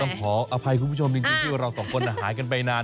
โอ้โฮต้องพออภัยคุณผู้ชมจริงที่ว่าเรา๒คนหายกันไปนาน